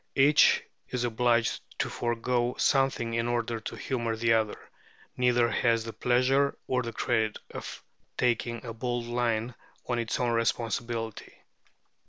Each is obliged to forego something in order to humour the other; neither has the pleasure or the credit of taking a bold line on its own responsibility.